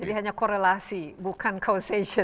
jadi hanya korelasi bukan causation